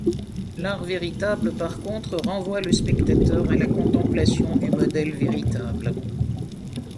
L'art véritable, par contre, renvoie le spectateur à la contemplation du modèle véritable.